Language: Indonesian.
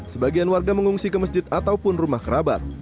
sebagian warga mengungsi ke masjid ataupun rumah kerabat